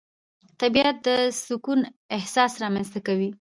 طبیعت د سکون احساس رامنځته کوي